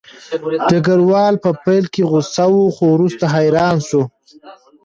ډګروال په پیل کې غوسه و خو وروسته حیران شو